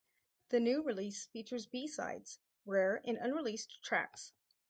The new release features B-sides, rare and unreleased tracks.